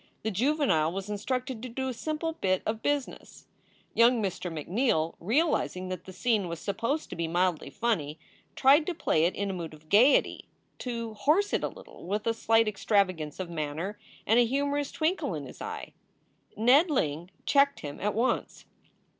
The juvenile was instructed to do a simple bit of business. Young Mr. McNeal, realizing that the scene was supposed to be mildly funny, tried to play it in a mood of gayety to "horse" it a little with a slight extravagance of manner and a humorous twinkle in his eye. Ned Ling checked him at once.